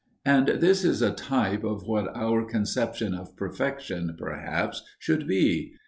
And this is a type of what our conception of perfection, perhaps, should be.